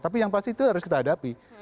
tapi yang pasti itu harus kita hadapi